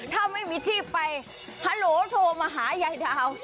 ถ้าไม่มีที่ไปฮัลโหลโทรมาหายายดาว